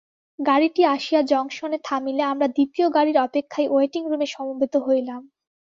গাড়িটি আসিয়া জংশনে থামিলে আমরা দ্বিতীয় গাড়ির অপেক্ষায় ওয়েটিংরুমে সমবেত হইলাম।